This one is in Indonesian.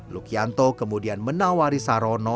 lukianto kemudian menawari sarono